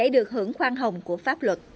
được hưởng khoan hồng của pháp luật